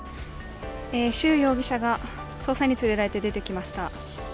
朱容疑者が捜査員に連れられて出てきました。